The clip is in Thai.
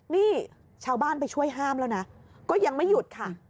นี่ชาวบ้านไปช่วยห้ามแล้วนะก็ยังไม่หยุดค่ะ